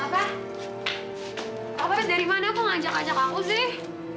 kabar dari mana aku ngajak ajak aku sih